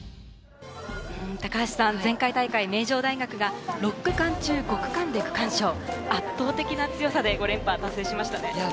高橋さん、前回大会、名城大学が６区間中５区間で区間賞、圧倒的な強さで５連覇を達成しましたね。